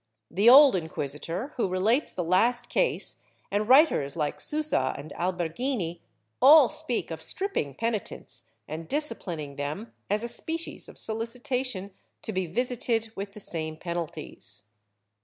The old inquisitor, who relates the last case, and writers like de Sousa and Alberghini, all S]:»eak of stripping penitents and disci pUning them as a species of solicitation, to be visited with the same penalties.